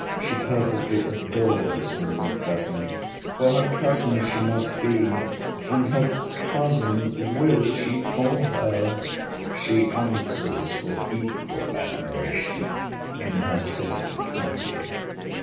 She perfectly adores her new cousin—'For her cousin she must be. And her cousin will she call her! She answers for equal admiration in her sister Patty.